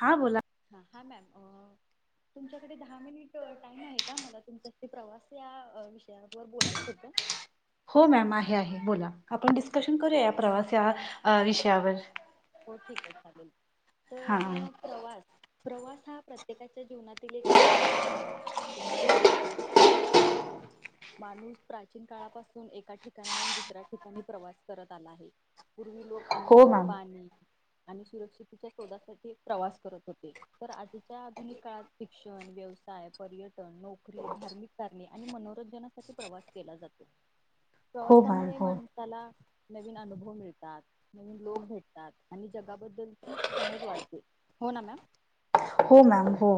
हा बोला हा हा मॅम तुमच्याकडे दहा मिनिट टाइम आहे का मला तुमच्यासाठी प्रवास या विषयावर बोलायचं होतं हो मॅम आहे आहे बोला आपण डिस्कशन करूया या प्रवास या अ विषयावर हो ठीक ये चालेल हा तर प्रवास प्रवास हा प्रत्येकाच्या जीवनातील एक महत्त्वाचा भाग आहे. तुम्हाला माहितच आहे. माणूस प्राचीन काळापासून एका ठिकाणाहून दुसऱ्या ठिकाणी प्रवास करत आला आहे. पूर्वी लोक हो अन्न, मॅम पाणी आणि सुरक्षितेच्या शोधासाठी प्रवास करत होते. तर आधीच्या आधुनिक काळात शिक्षण, व्यवसाय, पर्यटन, नोक री धार्मिक कारणे आणि मनोरंजनासाठी प्रवास केला जातो. हो मॅम प्रवासामुळे हो माणसाला नवीन अनुभव मिळतात. नवीन लोक भेटतात. आणि जगाबद्दलची समज वाढते. हो ना मॅम हो मॅम हो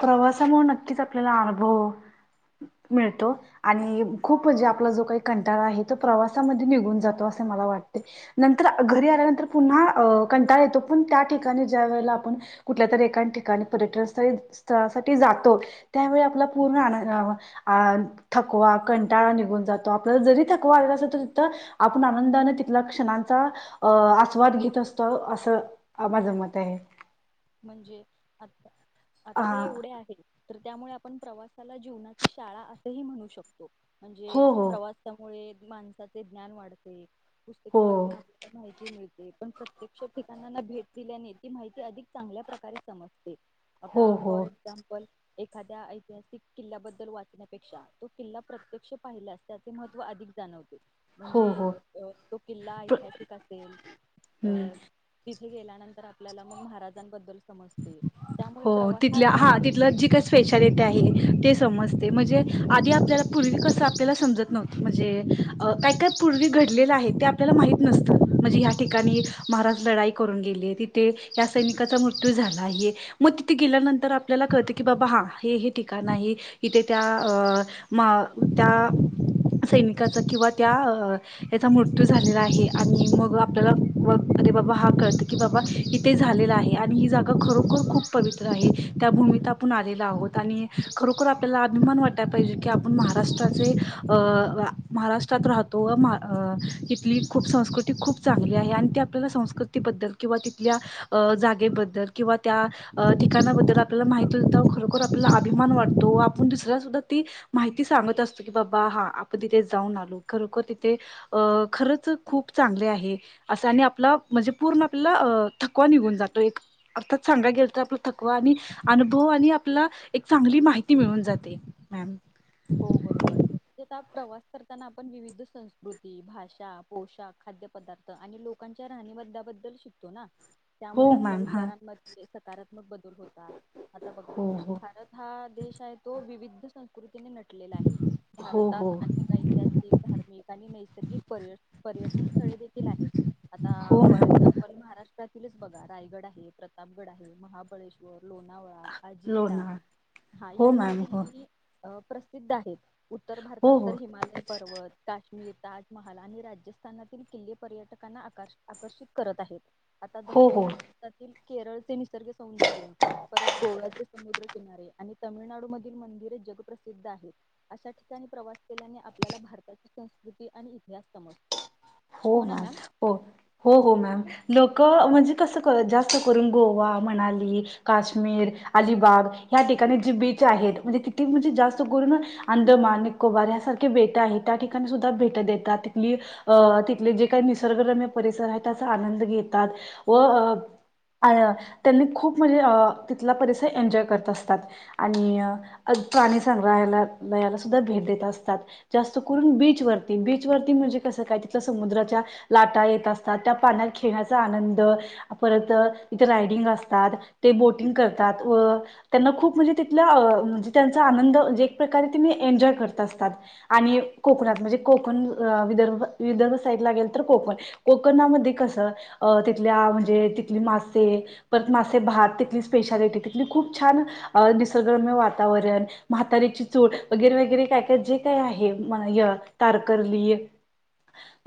प्रवासामुळे नक्कीच आपल्याला अनुभव मिळतो. आणि खूप म्हणजे आपला जो काही कंटाळा आहे. तो प्रवासामध्ये निघून जातो. असे मला वाटते. नंतर घरी आल्यानंतर पुन्हा कंटाळा येतो. पण त्या ठिकाणी ज्या वेळेला आपण कुठल्या तरी एका ठिकाणी पर्यटन स्थळी स्थळासाठी जातो. त्यावेळी आपला पूर्ण आन आ थकवा कंटाळा निघून जातो. आपल्याला जरी थकवा आलेला असला तरी तिथं आपण आनंदाने तिथला क्षणांचा अ आस्वाद घेत असतो. असं माझ मत आहे. म्हणजे आ आता हा हे एवढे आहे तर त्यामुळे आपण प्रवासाला जीवनाची शाळा असंही म्हणू शकतो म्हणजे हो हो प्रवासामुळे माणसाचे ज्ञान वाढते पुस्तके हो वाचून आपल्याला माहिती मिळते पण प्रत्यक्ष ठिकाणाना भेट दिल्याने ती माहिती अधिक चांगल्या प्रकारे समजते हो आता हो फॉर एक्झाम्पल एखाद्या ऐतिहासिक किल्ल्याबद्दल वाचण्यापेक्षा तो किल्ला प्रत्यक्ष पाहिल्यास त्याचे महत्व अधिक जाणवते हो म्हणजे हो अ तो किल्ला ऐतिहासिक असेल हम्म अ तिथे गेल्यानंतर आपल्याला मग महाराज त्यानंबद्दल हो तिथल्या हा मिळ तिथलं जी काय स्पेशालिटी आहे ति समजते म्हणजे आधी आपल्याला पूर्वी कसं आपल्याला समजत नव्हत म्हणजे काय काय पूर्वी घडलेलं आहे ते आपल्याला माहित नसतं म्हणजे ह्या ठिकाणी महाराज लढाई करून गेले तिथे या सैनिकाचा मृत्यू मृत्यू झाला आहे मग तिथे गेल्यानंतर आपल्याला कळत की बाबा हा हे हे ठिकाण आहे इथे त्या त्या सैनिकाचा किंवा त्या हेचा मृत्यू झालेला आहे आणि मग आपल्याला अरे बाबा हा कळत की बाबा इथे झालेला आहे आणि ही जागा खरोखर खूप पवित्र आहे त्या भूमीत आपण आलेल आहोत आणि खरोखर आपल्याला अभिमान वाटाय पाहिजे की आपण महाराष्ट्राचे महाराष्ट्रात राहतो तिथली खूप संस्कृती खूप चांगली आहे आणि ती आपल्याला संस्कृतीबद्दल किंवा तिथल्या अ बद्दल किंवा त्या ठिकाणाबद्दल आपल्याला माहिती होत तेव्हा खरोखर आपल्याला अभिमान वाटतो आपण दुसऱ्या सुद्धा ती माहिती सांगत असतो की बाबा हा आपण तिथे जाऊन आलो खरोखर तिथे अ खरंच खूप चांगले आहे असं आणि आपला म्हणजे पूर्ण आपल्याला थकवा निघून जातो अर्थात सांगायला गेल तर आपला थकवा आणि अनुभव आणि आपला एक चांगली माहिती मिळून जाते मॅम हो बरोबर ते प्रवास करताना आपण विविध संस्कृती भाषा पोषाख खाद्य पदार्थ आणि लोकांच्या राहणीमान बद्दल शिकतो ना हो त्यामुळे आपल्या मॅम हा विचारांमध्ये सकारात्मक बदल होतात आता बघा हो हो भारत हा देश आहे तो विविध संस्कृती नटलेला आहे हो भारतात हो अनेक ऐतिहासिक धार्मिक आणि नैसर्गिक पर्यटन स्थळे देखील आहेत आता हो फॉर मॅम एक्झाम्पल महाराष्ट्रात तिच बघा रायगड आहे प्रतापगड आहे महाबळेश्वर लोणावळा अजिंठा लोणार हा हो मॅम हो यासारखे प्रसिद्ध आहेत उत्तर भारतात हो हो तर हिमालय पर्वत काशी ताजमहाल आणि राजस्थानातील किल्ले पर्यटकांना आकर् आकर्षित करत आहेत आता हो दक्षिण हो भारतातील केरळचे निसर्ग सौंदर्य परत गोव्याचे समुद्र किनारे आणि तामिळनाडू मधील मंदिरे जगप्रसिद्ध सिद्ध आहे अशा ठिकाणी प्रवास केल्याने आपल्याला भारताची संस्कृती आणि इतिहास समजतो. हो मॅम हो हो हो मॅम लोक क म्हणजे कसं कर जास्त करून गोवा मनाली काश्मीर अलिबाग या ठिकाणी जे बीच आहेत म्हणजे तिथे म्हणजे जास्त करून अंदमान निकोबार यासारखे बेट आहेत त्या ठिकाणी सुद्धा भेट देतात तिथले जे काही निसर्गरम्य परिसर आहे त्याचा आनंद घेतात व त्यांनी खूप म्हणजे तिथला परिसर एन्जॉय करत असतात आणि प्राणी संग्रहाललयाला सुद्धा भेट देत असतात जास्त करून बीचवरती बीचवर म्हणजे कस काय तिथ समुद्राच्या लाटा येत असतात त्या पाण्यात खेळण्याचा आनंद परत तिथे रायडिंग असतात ते बोटिंग करतात व त्यांना खूप म्हणजे तिथला म्हणजे त्यांचा आनंद म्हणे एक प्रकारे तिनी एन्जॉय करत असतात आणि कोकणात म्हणजे कोकण विदर्भ विदर्भ साईडला गेल तर कोकण कोकणामध्ये कसं तिथल्या म्हणजे तिथली मासे परत मासे भात तिथली स्पेशालिटी तिथली खूप छान निसर्गरम्य वातावरण म्हातारीची चूल वगैरे वगैरे काय काय जे काय आहे य तारकरली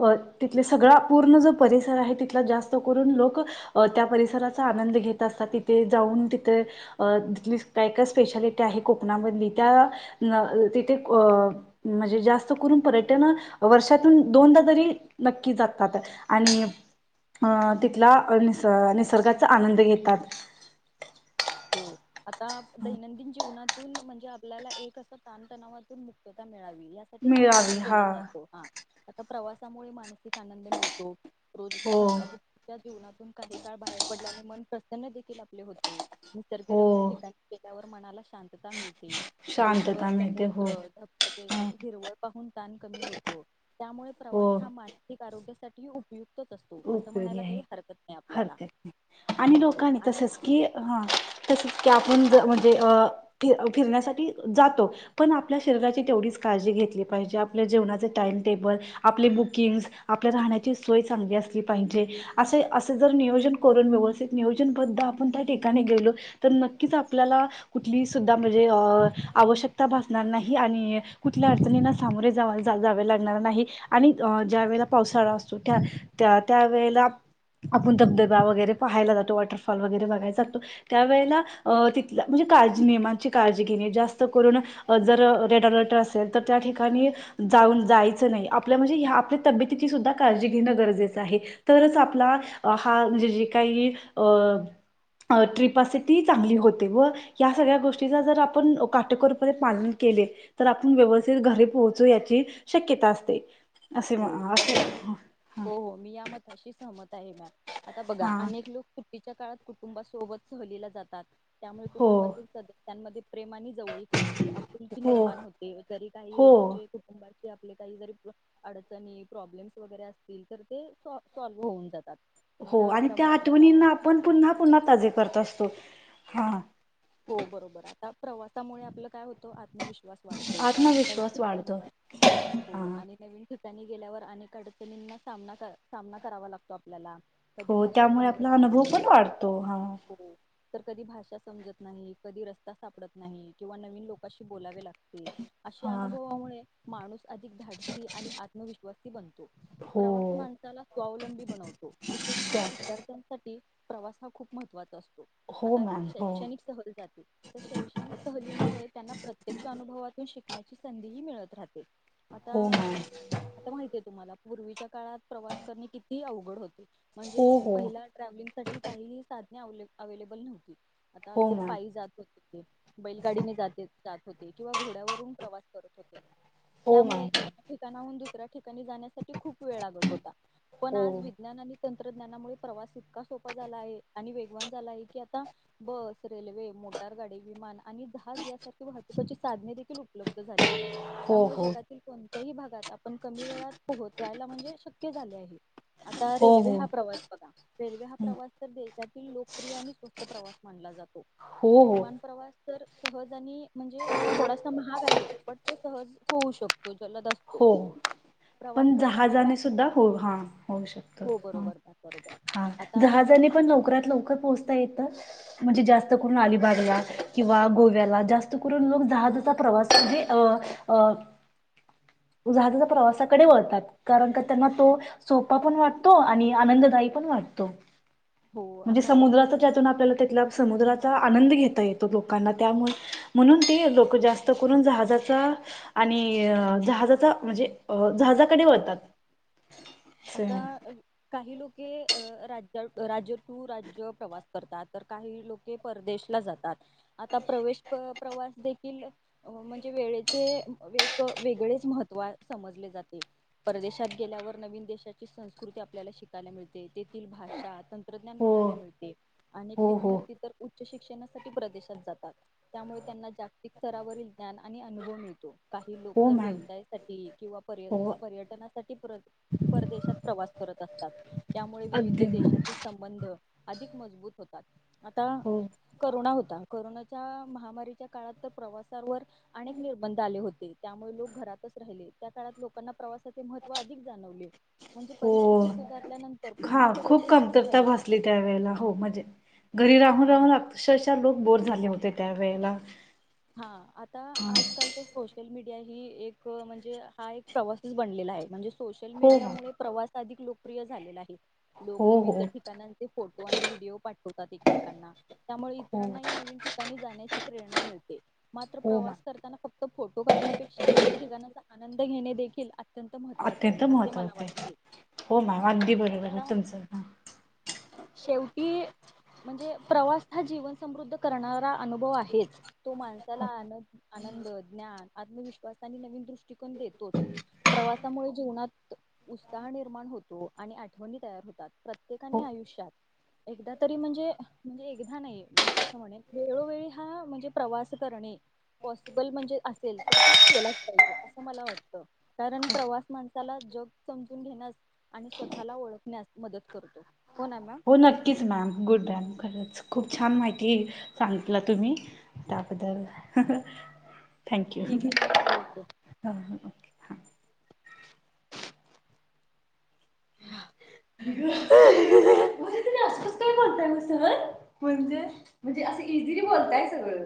अ तिथ सगळा पूर्ण जो परिसर आहे तिथला जास्त करून लोक त्या परिसराचा आनंद घेत असतात तिथे जाऊन तिथे तिथली काय काय स्पेशालिटी आहे कोकणामधली त्या तिथे अ म्हणजे जास्त करून पर्यटन वर्षातून दोनदा तरी नक्की जातात आणि अ तिथला निस निसर्गाचा आनंद घेतात हो आता दैनंदिन जीवनात म्हणजे आपल्याला एक अस ताणतणावातून मुक्तता मिळावी. यासाठी हा प्रवास मिळावी हा केला जातो हा आता प्रवासामुळे मानसिक आनंद मिळतो रोजच्या हो धक्काबुकीच्या जीवनातून काही काळ बाहेर पडल्याने मन त्यांन देखील आपले होते. हो निसर्गरम्य ठिकाणी केल्यावर म्हणाला. शांतता मिळते डोंगर, शांतता मिळते हो समुद्र, धबधबे आणि हिरवळ पाहून ताण कमी होतो. त्यामुळे हो प्रवास हा मानसिक आरोग्य साठी उपय उपयोगी आहे आपल्याला हरक्यात आणि हो लोकांनी तसच अनेक की ह. तसच. की आपण हा ज म्हणजे अ फिरण्यासाठी जातो पण आपल्या शरीराची तेवढीच काळजी घेतली पाहिजे आपल्या जेवणाचे टाइम टेबल आपले बुकिंग्स आपल्या राहण्याची सोय चांगली असते. जी पाहिजे अस अस जर नियोजन करून व्यवथित नियोजन बद्द आपण त्या ठिकाण गेलो तर नक्कीच आपल्याला कु सुद्धा म्हणजे अ आवश्यकता भासणार नाही आणि कुठल्या अडचणीना सामोरे जा जावे लागणार नाही आणि ज्या वेळेला पावसाळा असतो त्या त्या त्यावेेळेला आपण धबधबा वगैरे पाहायला जातो वॉटरफॉल वगैरे बघायला जातो त्यावेळेला तिथला म्हणजे काळजी नियमांची काळजी घेणे जास्त करून जर रेड अलर्ट असेल तर त्या ठिकाणी जाऊन जायचं नाही आपल्या म्हणजे ह आपल्या तब्येची सुद्धा काळजी घेणं गरजेचं आहे. तरच आपला हा म्हणजे जे काही अ ट्रिप असे ती चांगली होते व या सगळ्या गोष्टीचा जर आपण काटेकोरपणे पालन केले तर आपण व्यवस्थित घरी पोहोचू याची शक्यता असते. असे म हो असे हा. अशी सहमत [unintelligible] आता बघा अनेक लोक टीच्या काळात कुटुंबासोबत सहलीला जातात. त्यामुळे हो कुटुंबातील सदस्यांमध्ये प्रेमानी जवळीत वाढते आपुलकी हो निर्माण होते तरी हो काही म्हणजे कुटुंबाची आपले काही [unintelligible] अडचणी प्रॉब्लेम्स वगैरे असतील तर ते सॉ सॉल्व्ह होऊन जातात. हो आता आणि त्या प्रमा प्रवास आठवणींना आपण पुन्हा, पुन्हा ताजे करत असतो. हा. हो बरोबर आता प्रवासामुळे आपलं काय होतो आत्मविश्वास वाढतो नवीन आत्मविश्वास ठिकाणी वाढतो हा हो आणि नवीन ठिक नी गेल्यावर अनेक अडचणींना सामना सामना करावा लागतो आपल्याला. कधी हो भाषा त्यामुळे आपला समजत अनुभव नाही पण वाढतो हा. हो तर कधी भाषा समजत नाही कधी रस्ता सापडत नाही किंवा नवीन लोकाशी बोलावे लागते. ते अशे हा अनुभवामुळे, माणूस अधिक धाडसी आणि आत्मविश्वासी बनतो. प्रवास हो माणसाला स्वावलंबी बनवतो. विशेषतः त्या विद्यार्थ्यांसाठी, प्रवास हा खूप महत्त्वाचा असतो. हो आता मॅम हो. शैक्षणिक सहल जाते तर शैक्षणिक सहलीमुळे त्यांना प्रत्यक्ष अनुभवातून शिकण्याची संधीही मिळत राहते. आता हो मॅम आता माहतीय तुम्हाला, पूर्वीच्या काळात प्रवास करणे किती अवघड होते. म्हणजे हो हो पहिला ट्रॅव्हलिंगसाठी काहीही सा ने अवेलेबल नव्हती. आता हो लोक मॅम पायी जात होते, बैलगाडीने जाते जात होते किंवा घोड्यावरून प्रवास करत होते. हो मॅम त्यामुळे एका ठिकाणाहून दुसऱ्या ठिकाणी जाण्यासाठी खूप वेळ लागत होता. पण हो आज विज्ञानानी तंत्रज्ञानामुळे प्रवास इतका सोपा झाला आहे आणि वेगवान झाला आहे की आता बस, रेल्वे, मोटारगाडी, विमान आणि जहाज यासारखे वाहतुकाची साधने देखील उप उपलब्ध झाली आहे. हो हो त्यामुळे हो जगातील कोन त्याही भागात आपण कमी वेळात पोहोचायला म्हणजे शक्य झाले आहे. आता रेल्वे हा हो प्रवास बघा, रेल्वे हा प्रवास तर देशातील लोकप्रिय आणि स्वस्त प्रवा म्हणला जातो. हो हो विमान प्रवास तर सहज आणि म्हणजे थोडासा महाग आहे. पण तो सहज होऊ शकतो. जलद असतो हो प्रवास पण करताना जहाजाने काही सुद्धा हो हा होऊ शकत, हो ह बरोबर बरोबर हा आता जहाजाने पण लवकरात लवकर पोहोचता येत. म्हणजे जास्त करून अलिबागला किंवा गोव्याला जास्त करून लोक जहाजचा प्रवास म्हणजे अ अ जहाजचा प्रवासाकडे वळतात. कारण का त्यांना तो, सोपा पण वाटतो आणि आनंददायी पण वाटतो. हो म्हणजे आता समुद्राचा ज्यातून आपल्याला त्याला समुद्रात आनंद घेता येतो लोकांना, त्यामुळे म्हणून ते लोक जास्त करून जहाजाचा आणि जहा जाचा म्हणजे जहाजाकडे वळतात. आता काही लोक की अ राज राज्य, टू राज्य, प्रवास करतात तर काही लोके परदेशला जातात, आता प्रवेश प प्रवास देखील अ म्हणजे? वेळेते म वेग. वेगळेच महत्त्व समजले जाते, परदेशात गेल्यावर नवीन देश. त्याची संस्कृती, आपल्याला शिकायला मिळते तेथील भाषा. तंत्रज्ञान हो पहायला मिळते आणि हो हो विद्यार्थी तर उच्च शिक्षणासाठी प्रदेशात जातात, त्यामुळे त्यांना जागतिक स्तरावरील ज्ञान आणि अनुभव मिळतो. काही लोक हो तर मॅम व्यवसायासाठी किंवा पर्य हो पर्यटनासाठी पर परदेशात प्रवास करत असतात. त्यामुळे विविध अगदी मॅम देशातील संबंध. अधिक मजबूत होतात. आता हो. करुणा होत. कोरोनाच्या महामारीच्या काळात तर प्रवासावर अनेक निर्बंध आले होते त्यामुळे लोक घरातच राहिले त्या काळात लोकांना प्रवासाचे महत्त्व अधिक जाणवले म्हणजे हो परिस्थिती सुधारल्यानंतर. हा पुन्हा खूप पर्यटन सुरू कमतरता झाले भासली, त्या वेळेला हो म्हणजे घरी राहून, आणि राहून, अक्षरशा लोक बोर झाले होते त्यावेळेला. हा आता आजकाल तोश. सोशल मीडिया, ही एक म्हणजे, हा एक प्रवासच बनलेला आहे म्हणजे सोशल हो मॅम मीडियामुळे प्रवास अधिक लोक प्रिय झालेला आहे. हो लोक विविध हो ठिकानांचे फोटो, आणि व्हिडिओ पाठवतात, एकमेकांना त्यामुळे हो इतरांनाही नवीन ठिकाणी जाण्याची प्रेरणा मिळत. ते! मात्र हो मॅम प्रवास करताना. फक्त फोटो काढण्यापेक्षा, त्या ठिकाण्याचा आनंद घेणे देखील अत्यंत महत्त्वाचे अत्यंत आहे असे मला महत्त्वाच आहे वाटते. हो मा अगदी बरोबर आहे आता तुमचं. शेवटी म्हणजे प्रवास, हा जीवन समृद्ध करणारा अनुभव आहेच. तो माणसाला आन आनंद, ज्ञान, आत्मविश्वास आणि नवीन दृष्टिकोन, देतोच प्रवासामुळे जीवनात उत्साह निर्माण होतो आणि आठवणी तयार होतात हो प्रत्येकाने आयुष्यात एकदा तरी म्हणजे, म्हणजे एकदा नाही मी तस म्हणेन वेळोवेळी हा म्हणजे प्रवास करणे पॉसिबल म्हणजे असेल तर ते केलाच पाहिजे, असं मला वाटत कारण प्रवास माणसाला जग समजून घेण्यास आणि स्वतःला ओळखण्यास मदत करतो. ना मॅम? हो नक्कीच मॅम, गुड मॅम खरंच. खूप छान माहिती सांगितला तुम्ही त्याबद्दल थँक्यू ठीक आहे ओके ह! हा! म्हणजे तुमी अस कसं काय बोलताय सहज म्हणजे, म्हणजे असं इझिली बोलताय सगळं.